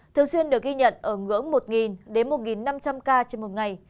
thường xuyên được ghi nhận ở ngưỡng một đến một năm trăm linh ca trên một ngày